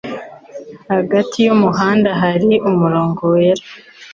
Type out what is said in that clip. Hagati y'umuhanda hari umurongo wera.